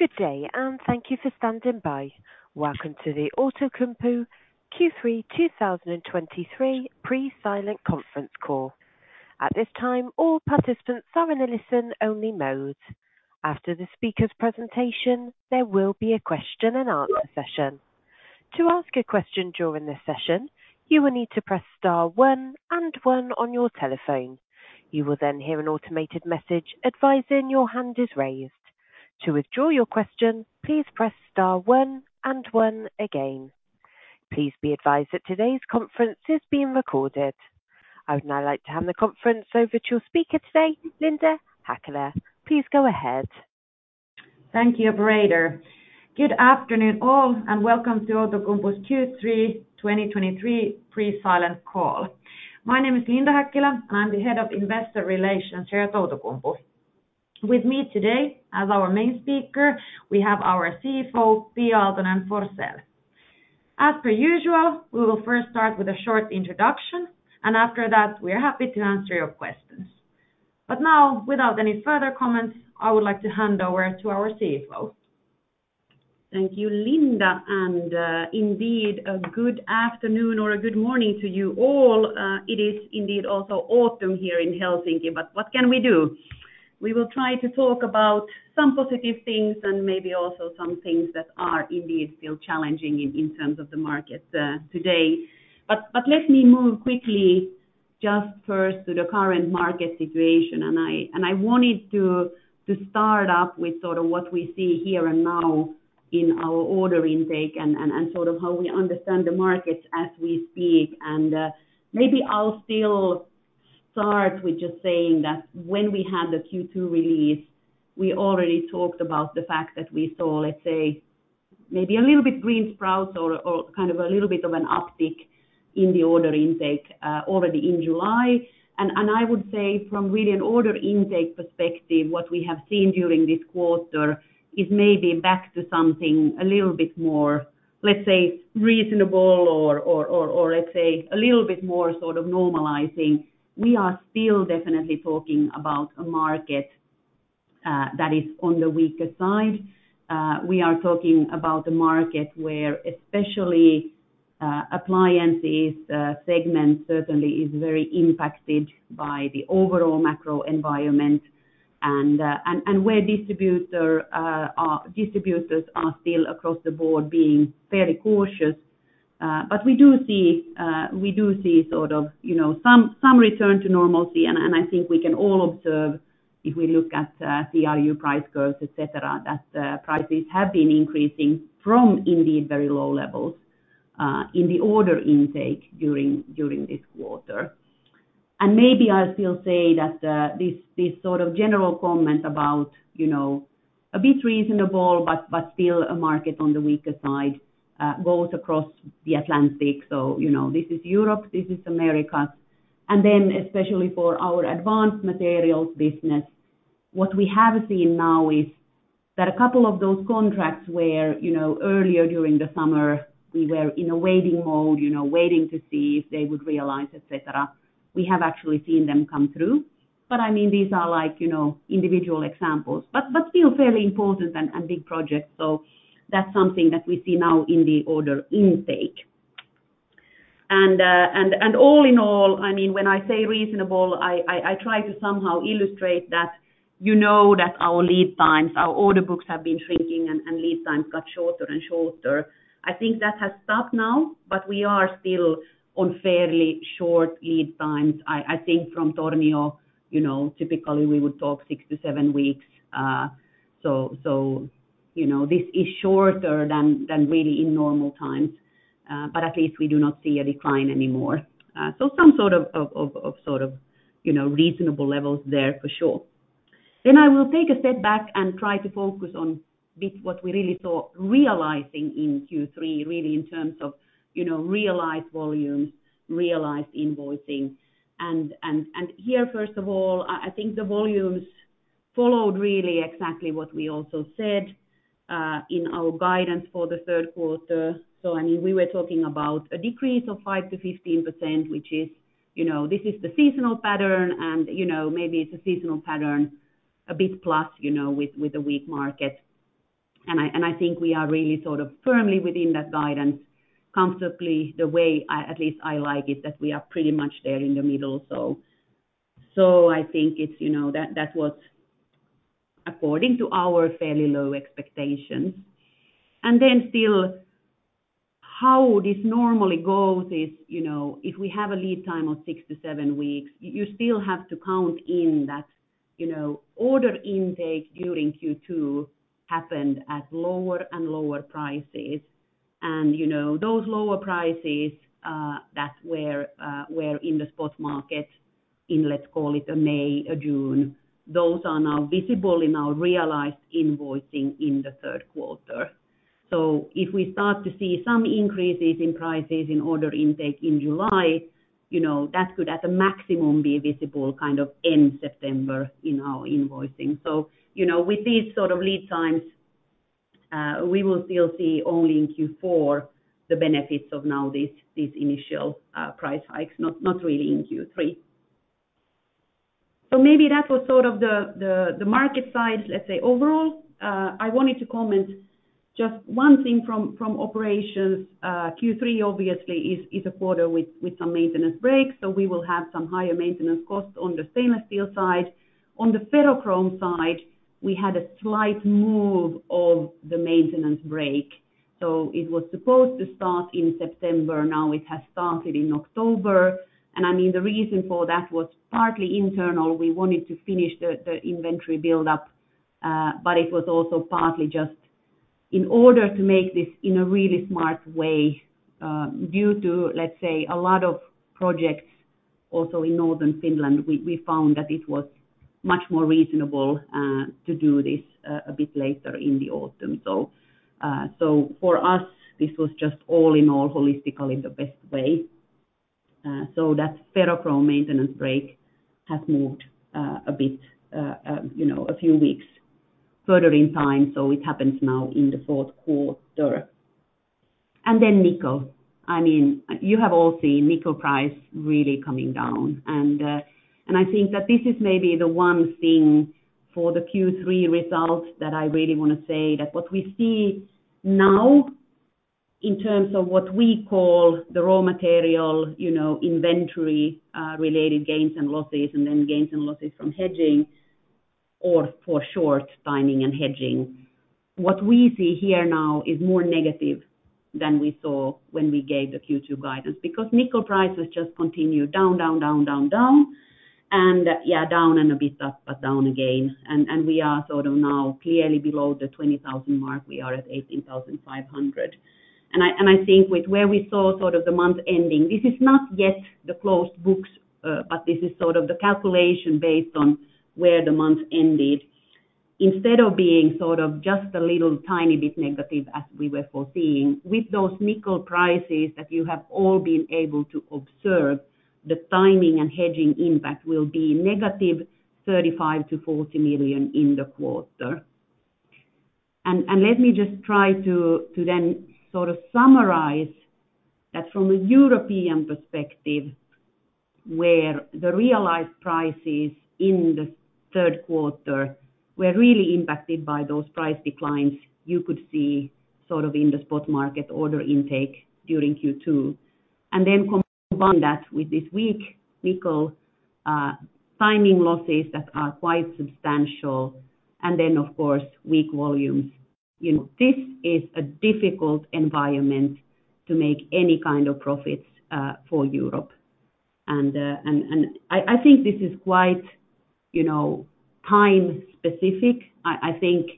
Good day, and thank you for standing by. Welcome to the Outokumpu Q3 2023 pre-silent conference call. At this time, all participants are in a listen-only mode. After the speaker's presentation, there will be a question and answer session. To ask a question during this session, you will need to press star one and one on your telephone. You will then hear an automated message advising your hand is raised. To withdraw your question, please press star one and one again. Please be advised that today's conference is being recorded. I would now like to hand the conference over to your speaker today, Linda Häkkilä. Please go ahead. Thank you, Operator. Good afternoon all, and welcome to Outokumpu's Q3 2023 pre-silent call. My name is Linda Häkkilä, I'm the head of Investor Relations here at Outokumpu. With me today, as our main speaker, we have our CFO, Pia Aaltonen-Forsell. As per usual, we will first start with a short introduction, and after that, we are happy to answer your questions. Now, without any further comments, I would like to hand over to our CFO. Thank you, Linda, and indeed, a good afternoon or a good morning to you all. It is indeed also autumn here in Helsinki, but what can we do? We will try to talk about some positive things and maybe also some things that are indeed still challenging in terms of the market today. But let me move quickly just first to the current market situation, and I wanted to start up with sort of what we see here and now in our order intake and sort of how we understand the markets as we speak. Maybe I'll still start with just saying that when we had the Q2 release, we already talked about the fact that we saw, let's say, maybe a little bit green sprouts or kind of a little bit of an uptick in the order intake already in July. I would say from really an order intake perspective, what we have seen during this quarter is maybe back to something a little bit more, let's say, reasonable or let's say a little bit more sort of normalizing. We are still definitely talking about a market that is on the weaker side. We are talking about a market where especially appliances segment certainly is very impacted by the overall macro environment, and where distributors are still across the board being fairly cautious. But we do see sort of, you know, some return to normalcy, and I think we can all observe if we look at CRU price curves, et cetera, that prices have been increasing from indeed very low levels in the order intake during this quarter. And maybe I'll still say that this sort of general comment about, you know, a bit reasonable, but still a market on the weaker side both across the Atlantic. So, you know, this is Europe, this is America. And then, especially for our Advanced Materials business, what we have seen now is that a couple of those contracts where, you know, earlier during the summer, we were in a waiting mode, you know, waiting to see if they would realize, et cetera, we have actually seen them come through. I mean, these are like, you know, individual examples, but still fairly important and big projects. That's something that we see now in the order intake. And all in all, I mean, when I say reasonable, I try to somehow illustrate that you know that our lead times, our order books have been shrinking and lead times got shorter and shorter. I think that has stopped now, but we are still on fairly short lead times. I think from Tornio, you know, typically we would talk six-seven weeks. So, you know, this is shorter than really in normal times, but at least we do not see a decline anymore. Some sort of, you know, reasonable levels there for sure. Then I will take a step back and try to focus on a bit what we really saw realizing in Q3, really, in terms of, you know, realized volumes, realized invoicing. And here, first of all, I think the volumes followed really exactly what we also said in our guidance for the third quarter. So, I mean, we were talking about a decrease of 5%-15%, which is, you know, this is the seasonal pattern and, you know, maybe it's a seasonal pattern, a bit plus, you know, with the weak market. And I think we are really sort of firmly within that guidance, comfortably, the way I, at least I like it, that we are pretty much there in the middle. So I think it's, you know, that was according to our fairly low expectations. Then still, how this normally goes is, you know, if we have a lead time of six-seven weeks, you still have to count in that, you know, order intake during Q2 happened at lower and lower prices. And, you know, those lower prices that were in the spot market in, let's call it a May or June, those are now visible in our realized invoicing in the third quarter. So if we start to see some increases in prices in order intake in July, you know, that could, at the maximum, be visible kind of end September in our invoicing. So, you know, with these sort of lead times, we will still see only in Q4 the benefits of now this, this initial price hikes, not, not really in Q3. So maybe that was sort of the market side, let's say, overall. I wanted to comment just one thing from operations. Q3 obviously is a quarter with some maintenance breaks, so we will have some higher maintenance costs on the stainless steel side. On the ferrochrome side, we had a slight move of the maintenance break. So it was supposed to start in September, now it has started in October. And I mean, the reason for that was partly internal. We wanted to finish the inventory buildup, but it was also partly just in order to make this in a really smart way, due to, let's say, a lot of projects also in northern Finland, we found that it was much more reasonable to do this a bit later in the autumn. So, so for us, this was just all in all, holistically, the best way. So that ferrochrome maintenance break has moved, a bit, you know, a few weeks further in time, so it happens now in the fourth quarter. And then nickel. I mean, you have all seen nickel price really coming down, and, and I think that this is maybe the one thing for the Q3 results that I really want to say, that what we see now in terms of what we call the raw material, you know, inventory related gains and losses, and then gains and losses from hedging, or for short, timing and hedging. What we see here now is more negative than we saw when we gave the Q2 guidance, because nickel prices just continue down, down, down, down, down, and, yeah, down and a bit up, but down again. And we are sort of now clearly below the 20,000 mark. We are at 18,500. And I think with where we saw sort of the month ending, this is not yet the closed books, but this is sort of the calculation based on where the month ended. Instead of being sort of just a little, tiny bit negative as we were foreseeing, with those nickel prices that you have all been able to observe, the timing and hedging impact will be negative 35-40 million in the quarter. Let me just try to then sort of summarize that from a European perspective, where the realized prices in the third quarter were really impacted by those price declines, you could see sort of in the spot market order intake during Q2. And then combine that with this weak nickel timing losses that are quite substantial, and then, of course, weak volumes. You know, this is a difficult environment to make any kind of profits for Europe. And I think this is quite, you know, time specific. I think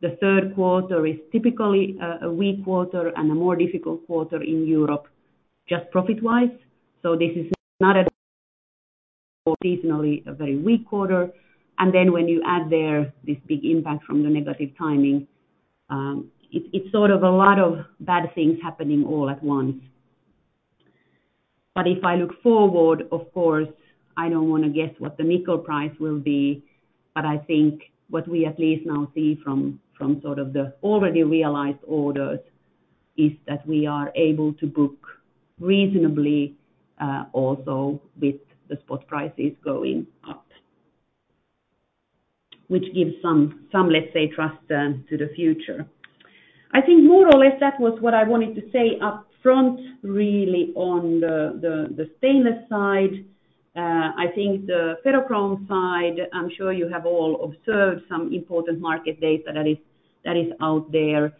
the third quarter is typically a weak quarter and a more difficult quarter in Europe, just profit-wise. So this is not seasonally a very weak quarter. When you add there this big impact from the negative timing, it's sort of a lot of bad things happening all at once. If I look forward, of course, I don't want to guess what the nickel price will be, but I think what we at least now see from sort of the already realized orders is that we are able to book reasonably, also with the spot prices going up, which gives some, let's say, trust to the future. I think more or less that was what I wanted to say up front, really on the stainless side. I think the ferrochrome side, I'm sure you have all observed some important market data that is out there.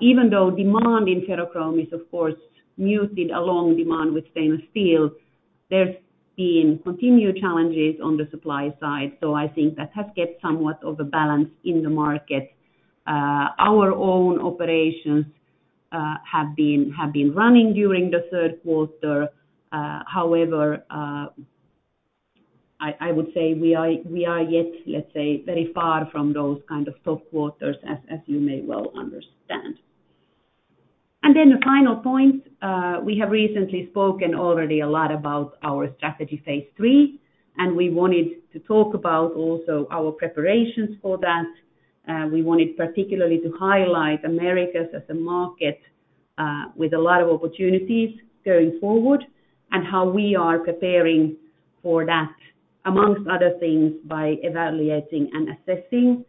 Even though demand in ferrochrome is, of course, muted along demand with stainless steel, there's been continued challenges on the supply side, so I think that has kept somewhat of a balance in the market. Our own operations have been running during the third quarter. However, I would say we are yet, let's say, very far from those kind of top quarters, as you may well understand. Then the final point, we have recently spoken already a lot about our strategy, Phase III, and we wanted to talk about also our preparations for that. We wanted particularly to highlight Americas as a market with a lot of opportunities going forward, and how we are preparing for that, among other things, by evaluating and assessing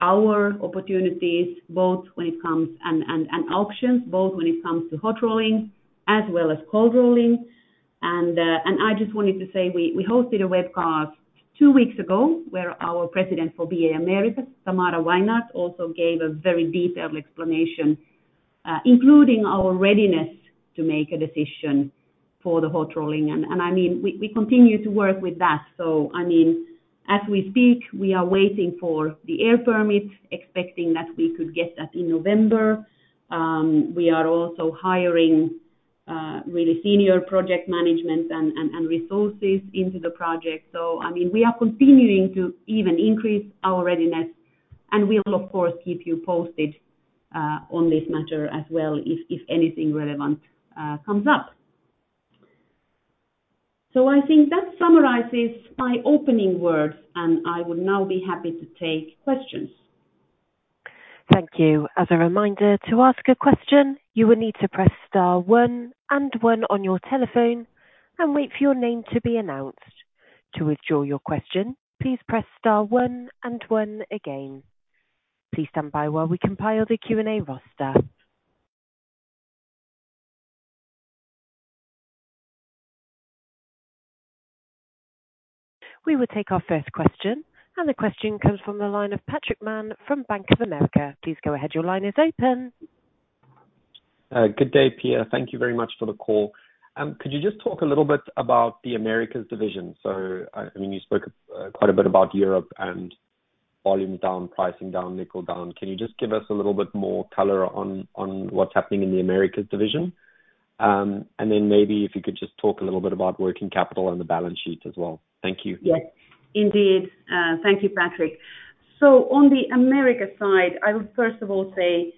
our opportunities and options, both when it comes to hot rolling as well as cold rolling. I just wanted to say we hosted a webcast two weeks ago, where our President for BA Americas, Tamara Weinert, also gave a very detailed explanation, including our readiness to make a decision for the hot rolling. I mean, we continue to work with that. So, I mean, as we speak, we are waiting for the air permit, expecting that we could get that in November. We are also hiring really senior project management and resources into the project. So, I mean, we are continuing to even increase our readiness, and we will, of course, keep you posted on this matter as well if anything relevant comes up. So I think that summarizes my opening words, and I would now be happy to take questions. Thank you. As a reminder, to ask a question, you will need to press star one and one on your telephone and wait for your name to be announced. To withdraw your question, please press star one and one again. Please stand by while we compile the Q&A roster. We will take our first question, and the question comes from the line of Patrick Mann from Bank of America. Please go ahead. Your line is open. Good day, Pia. Thank you very much for the call. Could you just talk a little bit about the Americas division? So, I mean, you spoke quite a bit about Europe and volume down, pricing down, nickel down. Can you just give us a little bit more color on what's happening in the Americas division? And then maybe if you could just talk a little bit about working capital and the balance sheet as well. Thank you. Yes, indeed. Thank you, Patrick. So on the Americas side, I would first of all say,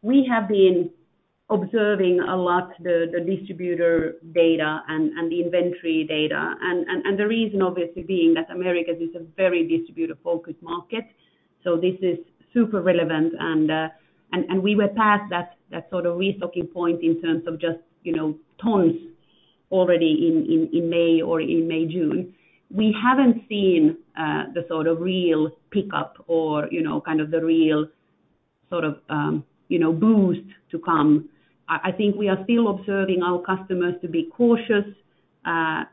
we have been observing a lot, the distributor data and the inventory data. And the reason obviously being that Americas is a very distributor-focused market, so this is super relevant. And we were past that sort of restocking point in terms of just, you know, tons already in May or June. We haven't seen the sort of real pickup or, you know, kind of the real sort of boost to come. I think we are still observing our customers to be cautious.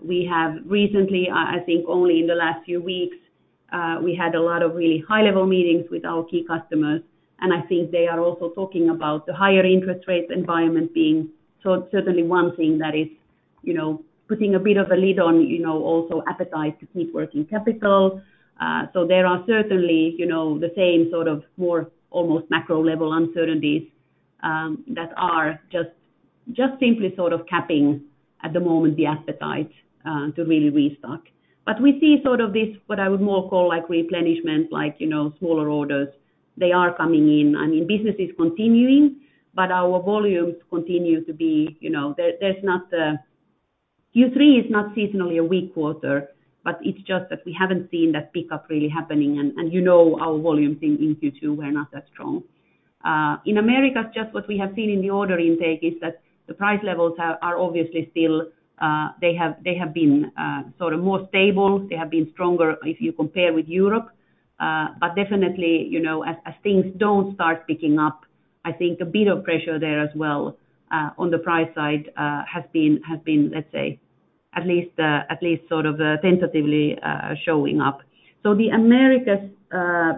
We have recently, I think only in the last few weeks, we had a lot of really high-level meetings with our key customers, and I think they are also talking about the higher interest rate environment being so certainly one thing that is, you know, putting a bit of a lid on, you know, also appetite to keep working capital. So there are certainly, you know, the same sort of more almost macro-level uncertainties that are just simply sort of capping at the moment, the appetite to really restock. But we see sort of this, what I would more call, like, replenishment, like, you know, smaller orders. They are coming in. I mean, business is continuing, but our volumes continue to be, you know, there, there's not the. Q3 is not seasonally a weak quarter, but it's just that we haven't seen that pickup really happening. And, you know, our volumes in Q2 were not that strong. In Americas, just what we have seen in the order intake is that the price levels are obviously still, they have been sort of more stable. They have been stronger if you compare with Europe, but definitely, you know, as things don't start picking up, I think a bit of pressure there as well on the price side has been, let's say, at least sort of tentatively showing up. So the Americas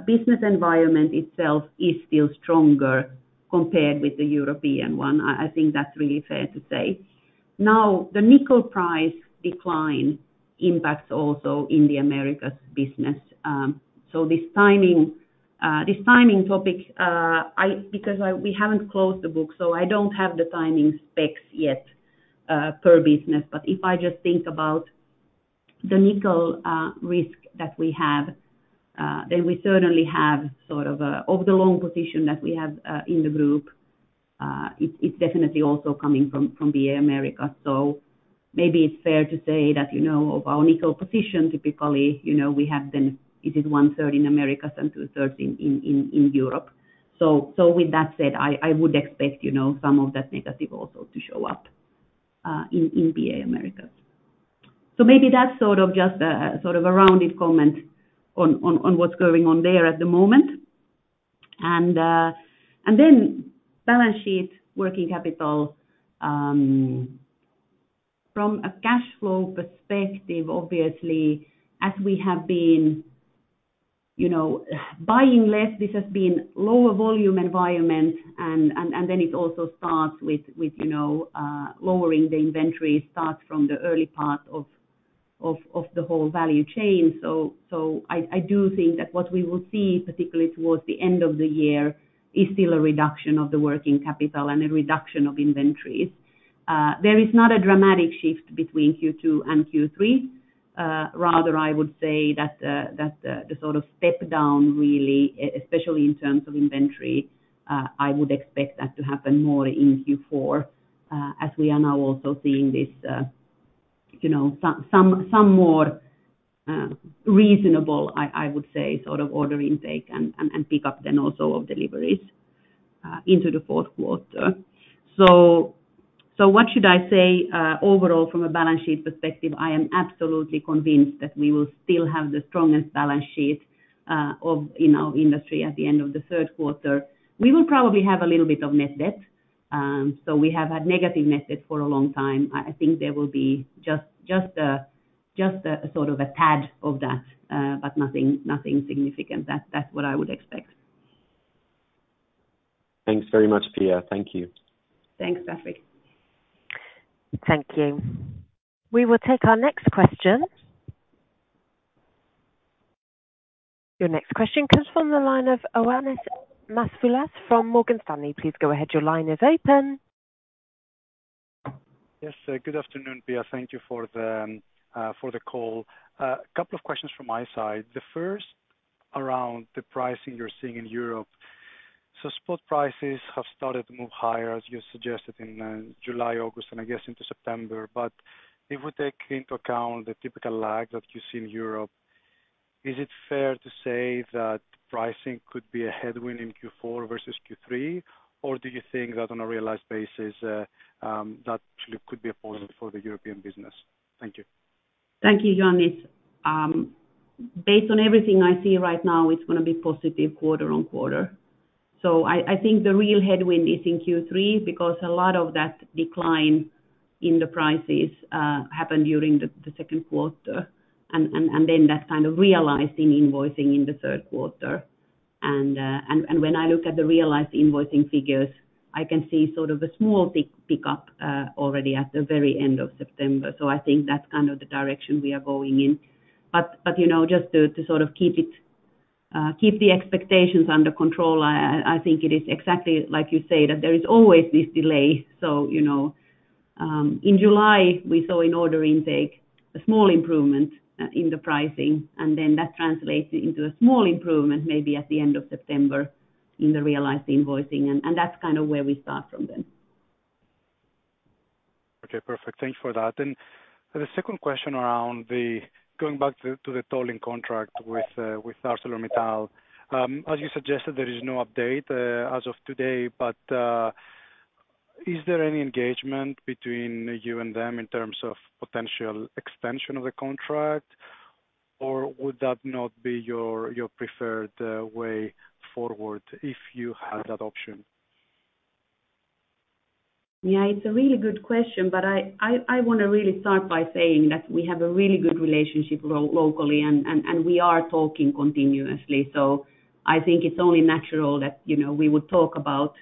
business environment itself is still stronger compared with the European one. I think that's really fair to say. Now, the nickel price decline impacts also in the Americas business. This timing topic, I, because we haven't closed the book, so I don't have the timing specs yet, per business. If I just think about the nickel risk that we have, then we certainly have sort of, over the long position that we have in the group, it's definitely also coming from the Americas. Maybe it's fair to say that, you know, of our nickel position, typically, you know, we have been, it is one-third in Americas and two-thirds in Europe. With that said, I would expect, you know, some of that negative also to show up in BA Americas. So maybe that's sort of just a sort of a rounded comment on what's going on there at the moment. And then balance sheet, working capital, from a cash flow perspective, obviously, as we have been, you know, buying less, this has been lower volume environment. And then it also starts with, with, you know, lowering the inventory, starts from the early part of the whole value chain. So I do think that what we will see, particularly towards the end of the year, is still a reduction of the working capital and a reduction of inventories. There is not a dramatic shift between Q2 and Q3. Rather, I would say that the sort of step down really, especially in terms of inventory, I would expect that to happen more in Q4, as we are now also seeing this, you know, some more reasonable, I would say, sort of order intake and pick up then also of deliveries into the fourth quarter. So what should I say? Overall, from a balance sheet perspective, I am absolutely convinced that we will still have the strongest balance sheet of in our industry at the end of the third quarter. We will probably have a little bit of net debt. So we have had negative net debt for a long time. I think there will be just a sort of a tad of that, but nothing significant. That's what I would expect. Thanks very much, Pia. Thank you. Thanks, Patrick. Thank you. We will take our next question. Your next question comes from the line of Ioannis Masvoulas from Morgan Stanley. Please go ahead. Your line is open. Yes, good afternoon, Pia. Thank you for the call. A couple of questions from my side. The first, around the pricing you're seeing in Europe. So spot prices have started to move higher, as you suggested, in July, August, and I guess into September. But if we take into account the typical lag that you see in Europe, is it fair to say that pricing could be a headwind in Q4 versus Q3? Or do you think that on a realized basis, that actually could be a positive for the European business? Thank you. Thank you, Ioannis. Based on everything I see right now, it's gonna be positive quarter-on-quarter. I think the real headwind is in Q3, because a lot of that decline in the prices happened during the second quarter, and then that kind of realized in invoicing in the third quarter. When I look at the realized invoicing figures, I can see sort of a small pickup already at the very end of September. I think that's kind of the direction we are going in. But, you know, just to sort of keep it, keep the expectations under control, I think it is exactly like you say, that there is always this delay. So, you know, in July, we saw an order intake, a small improvement, in the pricing, and then that translated into a small improvement, maybe at the end of September in the realized invoicing. And that's kind of where we start from then. Okay, perfect. Thanks for that. And the second question around the going back to the tolling contract with ArcelorMittal. As you suggested, there is no update as of today, but is there any engagement between you and them in terms of potential extension of the contract? Or would that not be your preferred way forward if you had that option? Yeah, it's a really good question, but I wanna really start by saying that we have a really good relationship locally, and we are talking continuously. So I think it's only natural that, you know, we would talk about,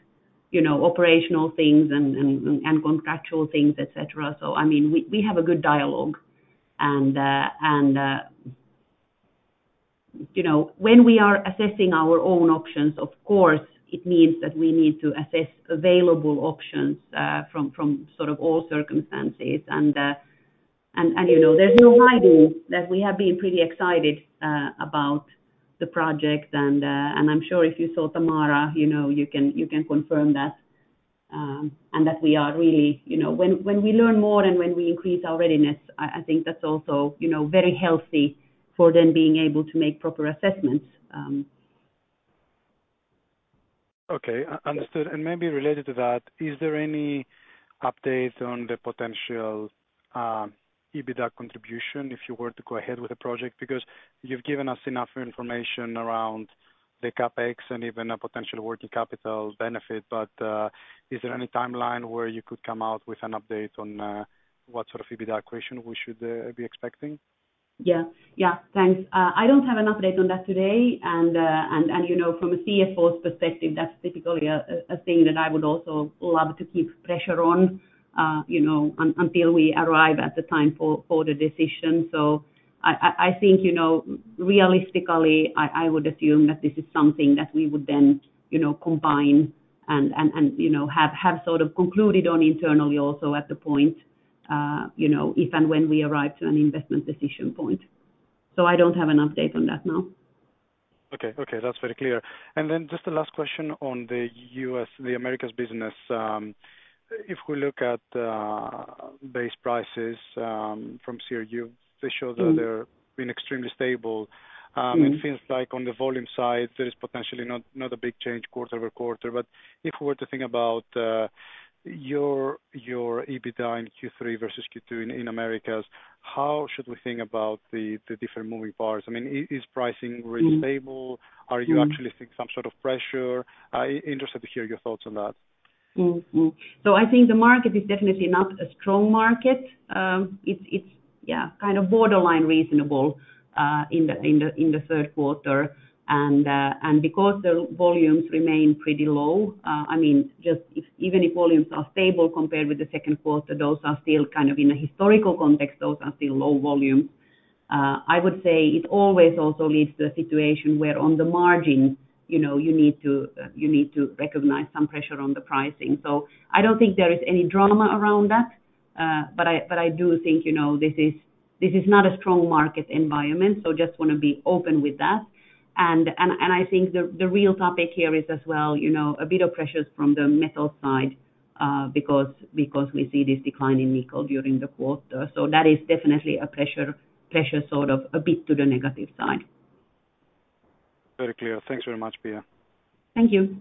you know, operational things and contractual things, et cetera. So I mean, we have a good dialogue. And, you know, when we are assessing our own options, of course, it means that we need to assess available options from sort of all circumstances. And, you know, there's no hiding that we have been pretty excited about the project, and I'm sure if you saw Tamara, you know, you can confirm that. And that we are really, you know, when we learn more and when we increase our readiness, I think that's also, you know, very healthy for then being able to make proper assessments. Okay, understood. And maybe related to that, is there any update on the potential EBITDA contribution if you were to go ahead with the project? Because you've given us enough information around the CapEx and even a potential working capital benefit. But is there any timeline where you could come out with an update on what sort of EBITDA accretion we should be expecting? Yeah. Yeah, thanks. I don't have an update on that today, and, and, you know, from a CFO's perspective, that's typically a thing that I would also love to keep pressure on, you know, until we arrive at the time for the decision. So I think, you know, realistically, I would assume that this is something that we would then, you know, combine and, and, you know, have sort of concluded on internally also at the point, you know, if and when we arrive to an investment decision point. So I don't have an update on that now. Okay. Okay, that's very clear. And then just a last question on the U.S., the Americas business. If we look at base prices from CRU, they show that they've been extremely stable. It seems like on the volume side, there is potentially not a big change quarter-over-quarter. But if we were to think about your EBITDA in Q3 versus Q2 in Americas, how should we think about the different moving parts? I mean, is pricing really stable? Are you actually seeing some sort of pressure? I'm interested to hear your thoughts on that. I think the market is definitely not a strong market. It's, it's, yeah, kind of borderline reasonable in the third quarter. Because the volumes remain pretty low, I mean, just if, even if volumes are stable compared with the second quarter, those are still kind of in a historical context, those are still low volume. I would say it always also leads to a situation where on the margin, you know, you need to, you need to recognize some pressure on the pricing. I don't think there is any drama around that. I do think, you know, this is, this is not a strong market environment, so just wanna be open with that. I think the real topic here is as well, you know, a bit of pressures from the metal side, because we see this decline in nickel during the quarter. So that is definitely a pressure sort of a bit to the negative side. Very clear. Thanks very much, Pia. Thank you.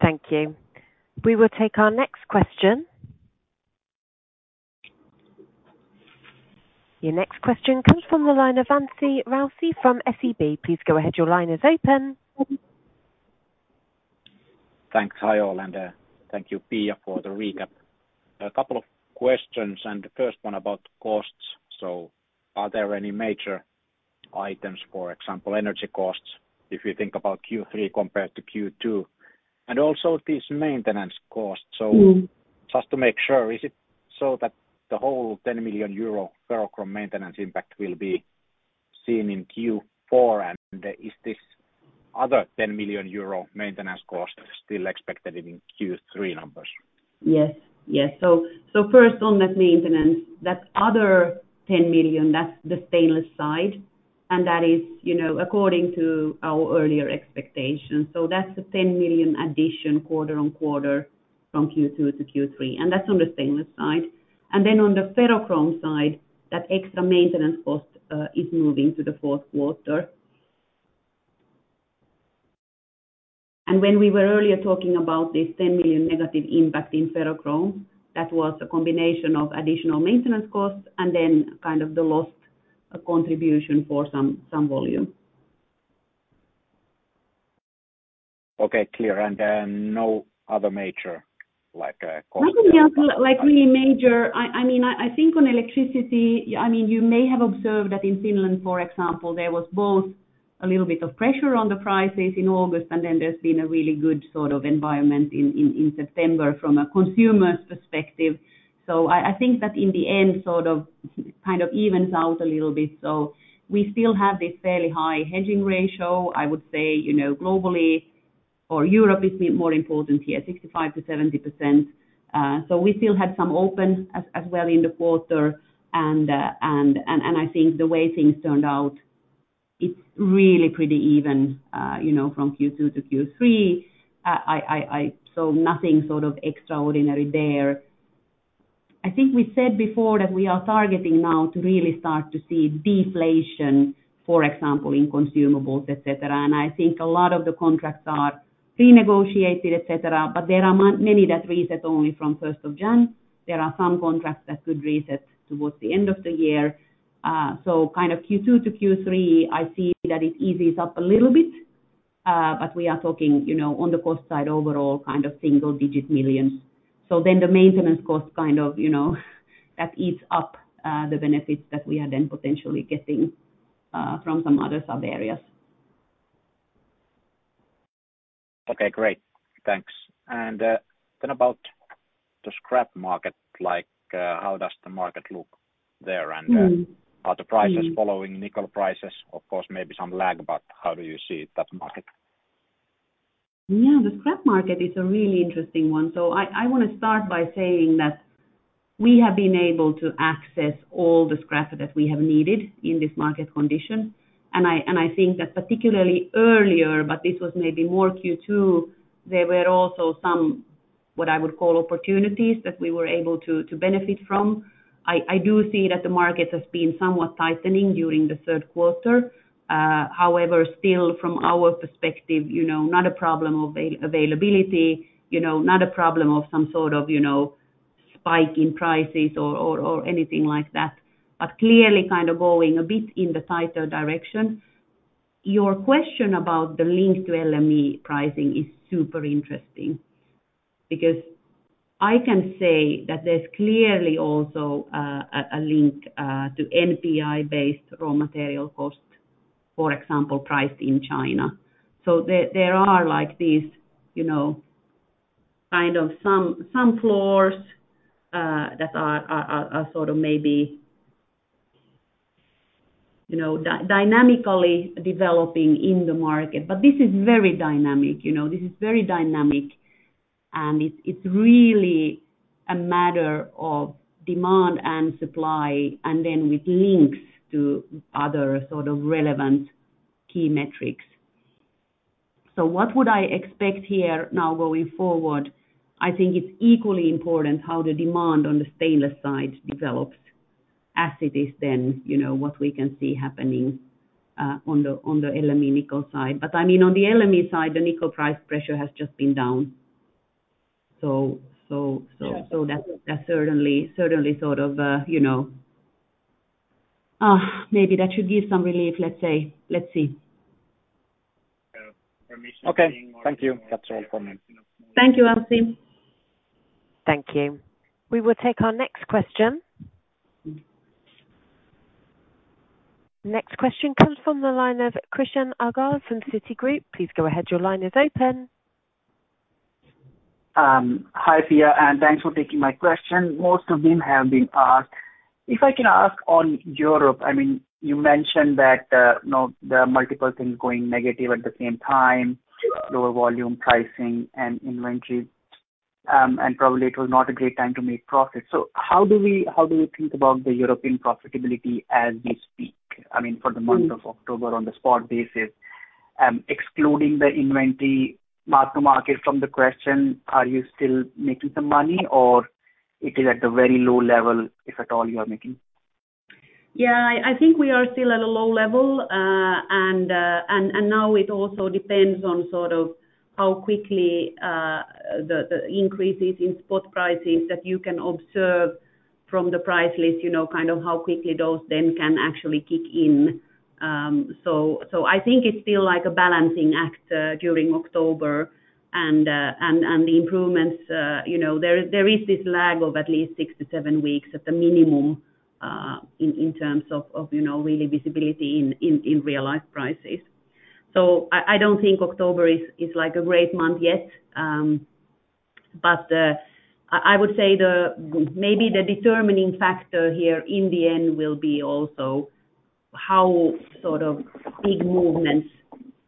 Thank you. We will take our next question. Your next question comes from the line of Anssi Raussi from SEB. Please go ahead. Your line is open. Thanks. Hi, all, and thank you, Pia, for the recap. A couple of questions, and the first one about costs. So are there any major items, for example, energy costs, if you think about Q3 compared to Q2? And also this maintenance cost. So just to make sure, is it so that the whole 10 million euro ferrochrome maintenance impact will be seen in Q4? And is this other 10 million euro maintenance cost still expected in Q3 numbers? .Yes, yes. So, so first on that maintenance, that other 10 million, that's the stainless side, and that is, you know, according to our earlier expectations. So that's the 10 million addition quarter on quarter from Q2 to Q3, and that's on the stainless side. And then on the ferrochrome side, that extra maintenance cost is moving to the fourth quarter. And when we were earlier talking about this 10 million negative impact in ferrochrome, that was a combination of additional maintenance costs and then kind of the lost contribution for some, some volume. Okay, clear. And then no other major, like, cost. Nothing else, like, really major. I mean, I think on electricity, I mean, you may have observed that in Finland, for example, there was both a little bit of pressure on the prices in August, and then there's been a really good sort of environment in September from a consumer perspective. So I think that in the end, sort of, kind of evens out a little bit. So we still have this fairly high hedging ratio. I would say, you know, globally or Europe is more important here, 65%-70%. So we still had some open as well in the quarter. And I think the way things turned out, it's really pretty even, you know, from Q2 to Q3. So nothing sort of extraordinary there. I think we said before that we are targeting now to really start to see deflation, for example, in consumables, et cetera. And I think a lot of the contracts are renegotiated, et cetera, but there are many that reset only from first of January. There are some contracts that could reset towards the end of the year. So kind of Q2 to Q3, I see that it eases up a little bit, but we are talking, you know, on the cost side, overall, kind of EUR single-digit millions. So then the maintenance cost, kind of, you know, that eats up the benefits that we are then potentially getting from some other sub areas. Okay, great. Thanks. And then about the scrap market, like, how does the market look there? Are the prices following nickel prices? Of course, maybe some lag, but how do you see that market? Yeah, the scrap market is a really interesting one. So I wanna start by saying that we have been able to access all the scrap that we have needed in this market condition. And I think that particularly earlier, but this was maybe more Q2, there were also some, what I would call opportunities, that we were able to benefit from. I do see that the market has been somewhat tightening during the third quarter. However, still from our perspective, you know, not a problem of availability, you know, not a problem of some sort of, you know, spike in prices or anything like that, but clearly kind of going a bit in the tighter direction. Your question about the link to LME pricing is super interesting, because I can say that there's clearly also a link to NPI-based raw material cost, for example, priced in China. So there are like these, you know, kind of some floors that are sort of maybe, you know, dynamically developing in the market. But this is very dynamic, you know, this is very dynamic, and it's really a matter of demand and supply, and then with links to other sort of relevant key metrics. So what would I expect here now going forward? I think it's equally important how the demand on the stainless side develops as it is, then, you know, what we can see happening on the LME nickel side. But I mean, on the LME side, the nickel price pressure has just been down. So that, that certainly, certainly sort of, you know, maybe that should give some relief, let's say. Let's see. Okay, thank you. That's all from me. Thank you, Anssi. Thank you. We will take our next question. Next question comes from the line of Krishan Agarwal from Citigroup. Please go ahead. Your line is open. Hi, Pia, and thanks for taking my question. Most of them have been asked. If I can ask on Europe, I mean, you mentioned that, you know, there are multiple things going negative at the same time, lower volume pricing and inventory, and probably it was not a great time to make profit. So how do we, how do you think about the European profitability as we speak? I mean, for the month of October, on the spot basis. Excluding the inventory mark to market from the question, are you still making some money or it is at a very low level, if at all you are making? Yeah, I think we are still at a low level. And now it also depends on sort of how quickly the increases in spot prices that you can observe from the price list, you know, kind of how quickly those then can actually kick in. So I think it's still like a balancing act during October. And the improvements, you know, there is this lag of at least six-seven weeks at the minimum, in terms of, you know, really visibility in real life prices. So I don't think October is like a great month yet. But I would say maybe the determining factor here in the end will be also. How sort of big movements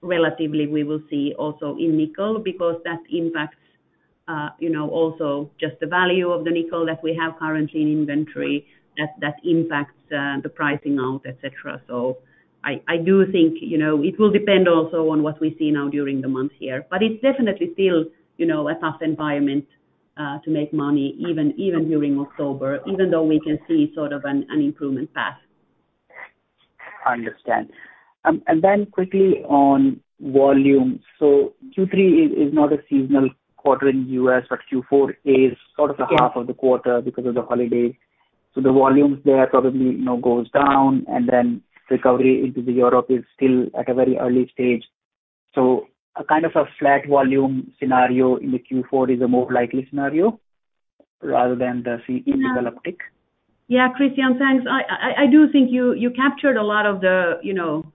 relatively we will see also in nickel, because that impacts, you know, also just the value of the nickel that we have currently in inventory, that, that impacts, the pricing out, et cetera. So I do think, you know, it will depend also on what we see now during the month here. But it definitely feels, you know, a tough environment, to make money, even during October, even though we can see sort of an improvement path. Understand. And then quickly on volume. So Q3 is not a seasonal quarter in U.S., but Q4 is sort of the half of the quarter because of the holiday. So the volumes there probably, you know, goes down, and then recovery into the Europe is still at a very early stage. So a kind of a flat volume scenario in the Q4 is a more likely scenario, rather than the seasonal uptick? Yeah, Krishan, thanks. I do think you captured a lot of the, you know,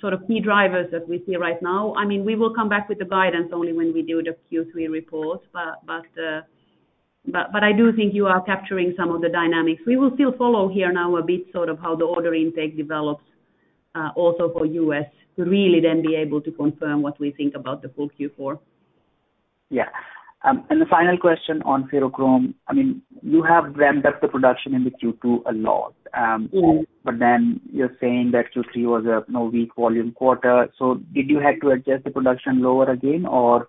sort of key drivers that we see right now. I mean, we will come back with the guidance only when we do the Q3 report. But I do think you are capturing some of the dynamics. We will still follow here now a bit sort of how the order intake develops, also for U.S., to really then be able to confirm what we think about the full Q4. Yeah. And the final question on ferrochrome. I mean, you have ramped up the production in the Q2 a lot but then you're saying that Q3 was a, you know, weak volume quarter. So did you have to adjust the production lower again, or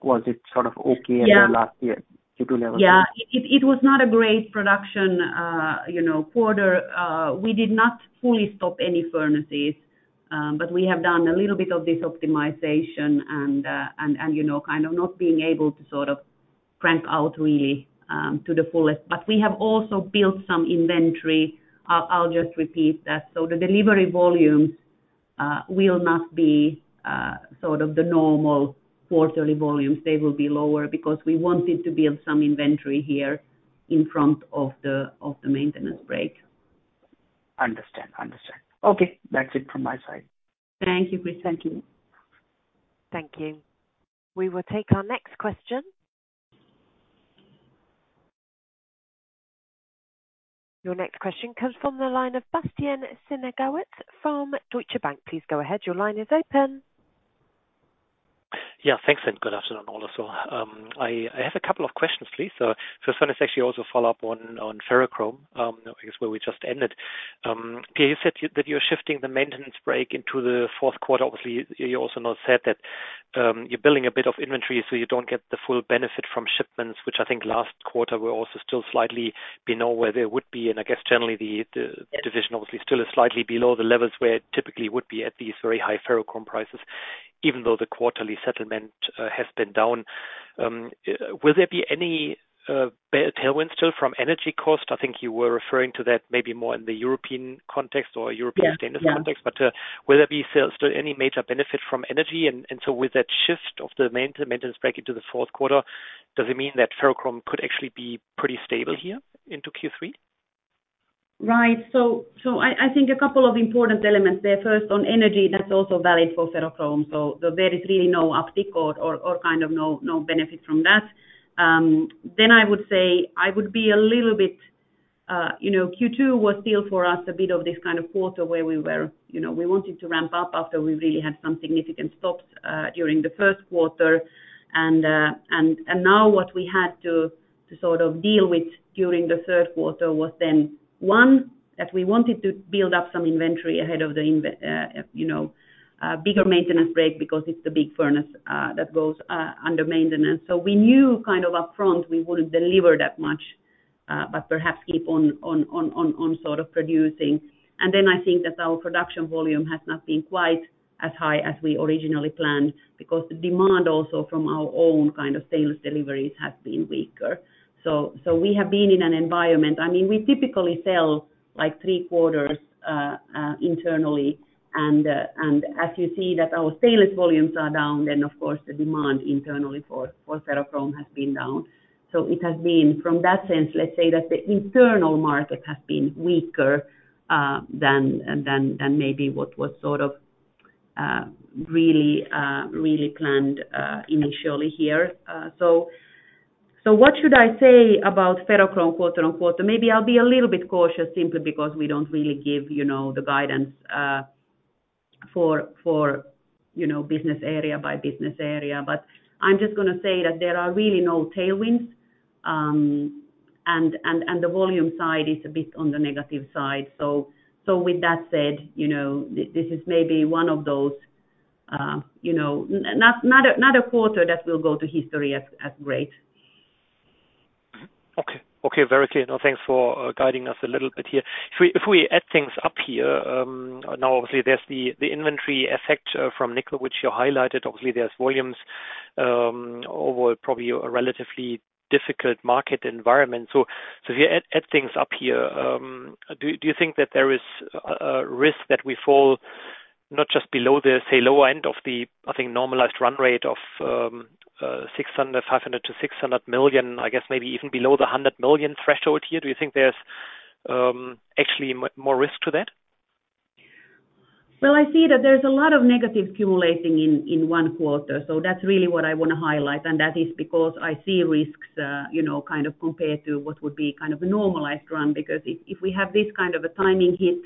was it sort of okay as the last year, Q2 level? Yeah. It was not a great production, you know, quarter. We did not fully stop any furnaces, but we have done a little bit of this optimization and, you know, kind of not being able to sort of crank out really, to the fullest. But we have also built some inventory. I'll just repeat that. So the delivery volumes will not be sort of the normal quarterly volumes. They will be lower because we wanted to build some inventory here in front of the maintenance break. Understand. Understand. Okay, that's it from my side. Thank you, Krishan. Thank you. We will take our next question. Your next question comes from the line of Bastian Synagowitz from Deutsche Bank. Please go ahead. Your line is open. Yeah, thanks, and good afternoon, all of you. I have a couple of questions, please. So first is actually also a follow-up on ferrochrome, I guess, where we just ended. You said that you're shifting the maintenance break into the fourth quarter. Obviously, you also now said that you're building a bit of inventory so you don't get the full benefit from shipments, which I think last quarter were also still slightly below where they would be. And I guess generally, the division obviously still is slightly below the levels where it typically would be at these very high ferrochrome prices, even though the quarterly settlement has been down. Will there be any tailwind still from energy cost? I think you were referring to that maybe more in the European context or European stainless context. Will there still, still any major benefit from energy? So with that shift of the maintenance break into the fourth quarter, does it mean that ferrochrome could actually be pretty stable here into Q3? Right. I think a couple of important elements there. First, on energy, that's also valid for ferrochrome, so there is really no uptick or kind of no benefit from that. I would say I would be a little bit, you know, Q2 was still for us a bit of this kind of quarter where we were, you know, we wanted to ramp up after we really had some significant stops during the first quarter. Now what we had to sort of deal with during the third quarter was then, one, that we wanted to build up some inventory ahead of the inve you know, bigger maintenance break, because it's the big furnace that goes under maintenance. So we knew kind of upfront we wouldn't deliver that much, but perhaps keep on sort of producing. And then I think that our production volume has not been quite as high as we originally planned, because the demand also from our own kind of sales deliveries has been weaker. So we have been in an environment. I mean, we typically sell like three quarters internally, and as you see that our sales volumes are down, then of course, the demand internally for ferrochrome has been down. So it has been, from that sense, let's say that the internal market has been weaker than maybe what was sort of really planned initially here. So what should I say about ferrochrome quarter on quarter? Maybe I'll be a little bit cautious, simply because we don't really give, you know, the guidance for business area by business area. But I'm just gonna say that there are really no tailwinds, and the volume side is a bit on the negative side. So with that said, you know, this is maybe one of those, you know, not a quarter that will go to history as great. Okay. Okay, very clear. Now, thanks for guiding us a little bit here. If we add things up here, now, obviously there's the inventory effect from nickel, which you highlighted. Obviously, there's volumes over probably a relatively difficult market environment. If you add things up here, do you think that there is a risk that we fall not just below the, say, lower end of the, I think, normalized run rate of 500 million-600 million, I guess maybe even below the 100 million threshold here? Do you think there's actually more risk to that? Well, I see that there's a lot of negative accumulating in one quarter, so that's really what I wanna highlight, and that is because I see risks, you know, kind of compared to what would be kind of a normalized run. Because if we have this kind of a timing hit,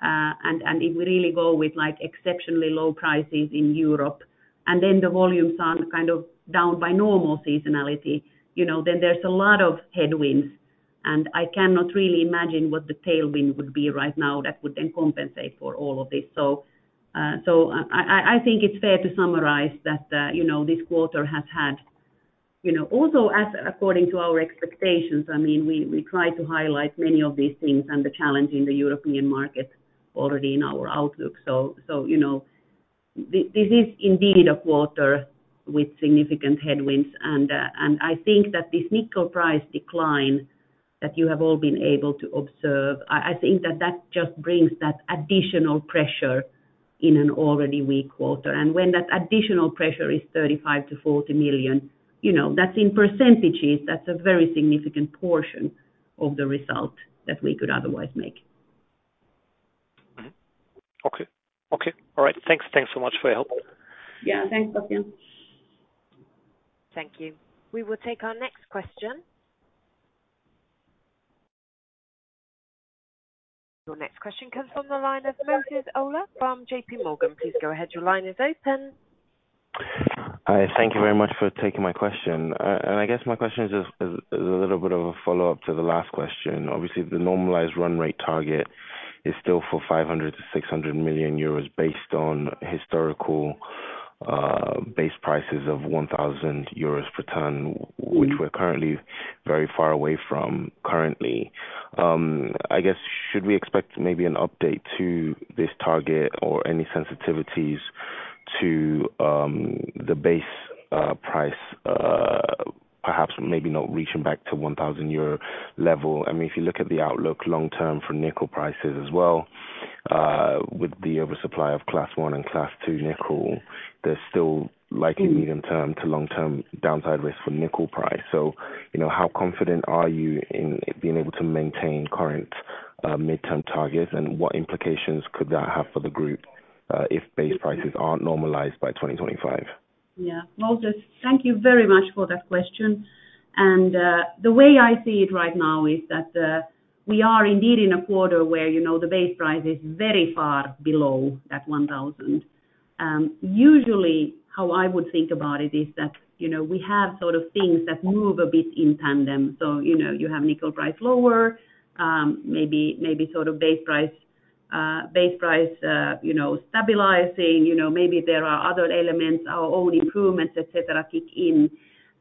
and it really go with, like, exceptionally low prices in Europe, and then the volumes are kind of down by normal seasonality, you know, then there's a lot of headwinds, and I cannot really imagine what the tailwind would be right now that would then compensate for all of this. So, I think it's fair to summarize that, you know, this quarter has had, you know, also as according to our expectations, I mean, we try to highlight many of these things and the challenge in the European market already in our outlook. So, you know, this is indeed a quarter with significant headwinds, and I think that this nickel price decline that you have all been able to observe, I think that just brings that additional pressure in an already weak quarter. And when that additional pressure is 35 million-40 million, you know, that's in percentages, that's a very significant portion of the result that we could otherwise make. Okay. Okay, all right. Thanks. Thanks so much for your help. Yeah. Thanks, Matthew. Thank you. We will take our next question. Your next question comes from the line of Moses Ola from JPMorgan. Please go ahead, your line is open. Hi, thank you very much for taking my question. I guess my question is a little bit of a follow-up to the last question. Obviously, the normalized run rate target is still for 500 million-600 million euros, based on historical base prices of 1,000 euros per ton which we're currently very far away from, currently. I guess, should we expect maybe an update to this target or any sensitivities to the base price, perhaps maybe not reaching back to 1,000 euro level? I mean, if you look at the outlook long term for nickel prices as well, with the oversupply of Class I and Class II nickel, there's still likely medium-term to long-term downside risk for nickel price. So, you know, how confident are you in being able to maintain current, midterm targets? And what implications could that have for the group, if base prices aren't normalized by 2025? Yeah. Moses, thank you very much for that question. The way I see it right now is that, we are indeed in a quarter where, you know, the base price is very far below 1,000. Usually, how I would think about it is that, you know, we have sort of things that move a bit in tandem. So, you know, you have nickel price lower, maybe, maybe sort of base price, base price, you know, stabilizing. You know, maybe there are other elements, our own improvements, et cetera, kick in.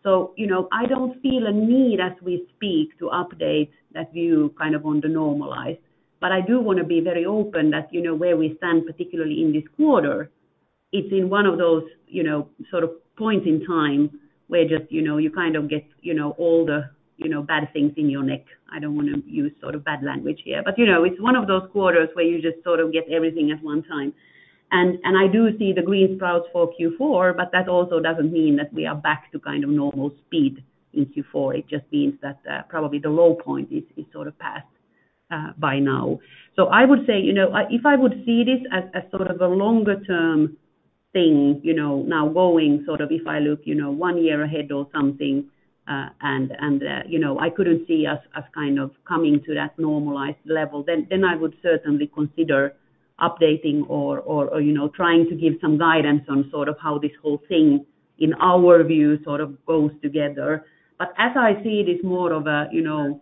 So, you know, I don't feel a need as we speak to update that view kind of on the normalized. But I do wanna be very open that, you know, where we stand, particularly in this quarter, it's in one of those, you know, sort of points in time where just, you know, you kind of get, you know, all the, you know, bad things in your neck. I don't wanna use sort of bad language here. But, you know, it's one of those quarters where you just sort of get everything at one time. And I do see the green sprouts for Q4, but that also doesn't mean that we are back to kind of normal speed in Q4. It just means that probably the low point is sort of passed by now. So I would say, you know, if I would see this as sort of a longer term thing, you know, now going sort of if I look, you know, one year ahead or something, and, you know, I couldn't see us as kind of coming to that normalized level, then I would certainly consider updating or, you know, trying to give some guidance on sort of how this whole thing, in our view, sort of goes together. But as I see it, it's more of a, you know,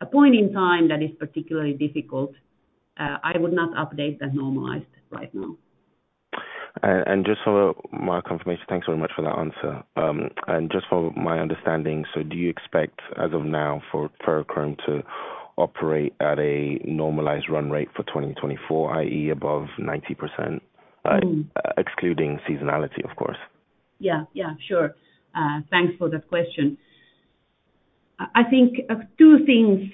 a point in time that is particularly difficult. I would not update that normalized right now. Just for my confirmation, thanks very much for that answer. Just for my understanding, so do you expect, as of now, for ferrochrome to operate at a normalized run rate for 2024, i.e., above 90%? Excluding seasonality, of course. Yeah, yeah, sure. Thanks for that question. I think two things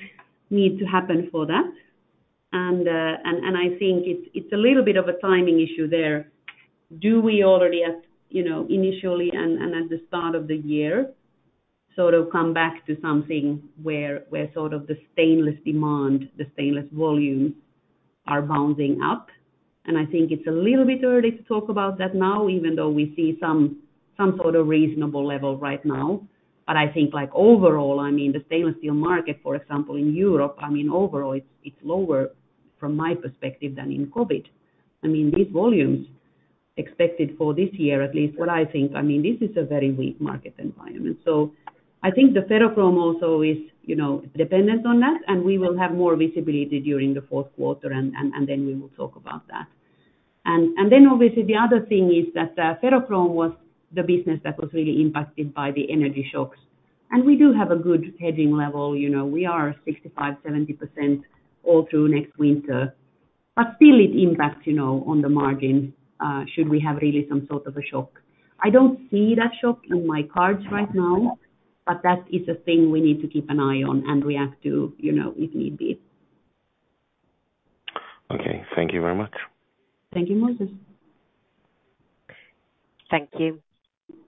need to happen for that. And I think it's a little bit of a timing issue there. Do we already at, you know, initially and at the start of the year, sort of come back to something where sort of the stainless demand, the stainless volumes are bounding up? And I think it's a little bit early to talk about that now, even though we see some sort of reasonable level right now. But I think, like, overall, I mean, the stainless steel market, for example, in Europe, I mean, overall, it's lower from my perspective than in COVID. I mean, these volumes expected for this year, at least what I think, I mean, this is a very weak market environment. So I think the ferrochrome also is, you know, dependent on that, and we will have more visibility during the fourth quarter, and then we will talk about that. And then obviously the other thing is that, ferrochrome was the business that was really impacted by the energy shocks. And we do have a good hedging level. You know, we are 65%-70% all through next winter, but still it impacts, you know, on the margin, should we have really some sort of a shock. I don't see that shock in my cards right now, but that is a thing we need to keep an eye on and react to, you know, if need be. Okay. Thank you very much. Thank you, Moses. Thank you.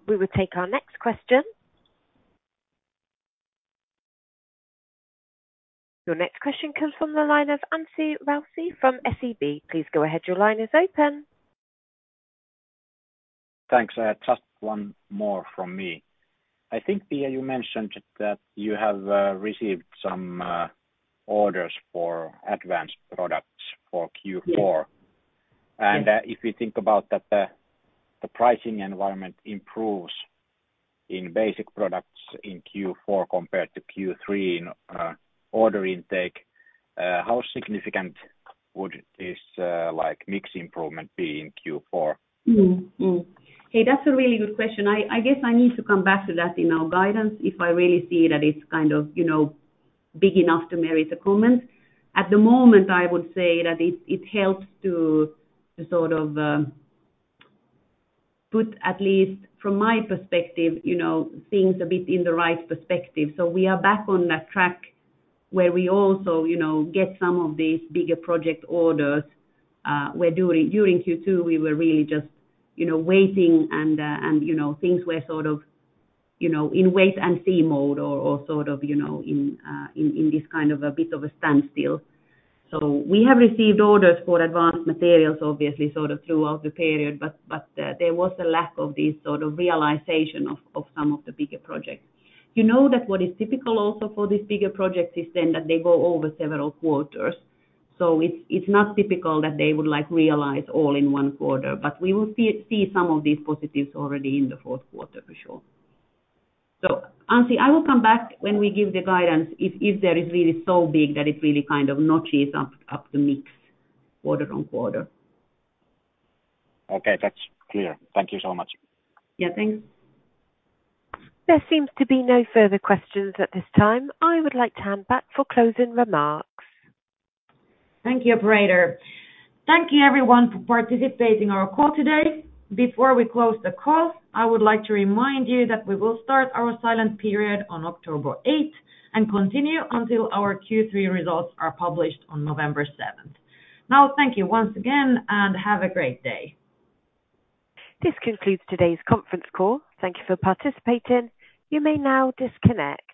We will take our next question. Your next question comes from the line of Anssi Raussi from SEB. Please go ahead. Your line is open. Thanks. I have just one more from me. I think, Pia, you mentioned that you have received some orders for advanced products for Q4. If you think about that the pricing environment improves in basic products in Q4 compared to Q3 in order intake, how significant would this like mix improvement be in Q4? Hey, that's a really good question. I guess I need to come back to that in our guidance if I really see that it's kind of, you know, big enough to merit a comment. At the moment, I would say that it helps to sort of put at least from my perspective, you know, things a bit in the right perspective. So we are back on that track where we also, you know, get some of these bigger project orders, where during Q2, we were really just, you know, waiting and you know, things were sort of, you know, in wait and see mode or sort of, you know, in this kind of a bit of a standstill. So we have received orders for Advanced Materials, obviously, sort of throughout the period, but, uh, there was a lack of this sort of realization of, of some of the bigger projects. You know that what is typical also for these bigger projects is then that they go over several quarters. So it's, it's not typical that they would like realize all in one quarter, but we will see some of these positives already in the fourth quarter for sure. So Anssi, I will come back when we give the guidance, if, if there is really so big that it really kind of notches up the mix quarter on quarter. Okay, that's clear. Thank you so much. Yeah, thanks. There seems to be no further questions at this time. I would like to hand back for closing remarks. Thank you, operator. Thank you everyone for participating in our call today. Before we close the call, I would like to remind you that we will start our silent period on October eighth and continue until our Q3 results are published on November seventh. Now, thank you once again, and have a great day. This concludes today's conference call. Thank you for participating. You may now disconnect.